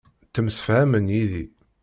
Ttemsefhamen yid-i.